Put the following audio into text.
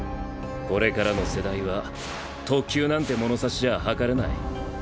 これからの世代は特級なんて物差しじゃ測れない。